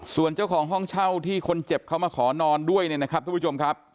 ส่วนเจ้าของห้องเช่าที่คนเจ็บเขามาขอนอนด้วยเนี่ยนะครับทุกผู้ชมครับ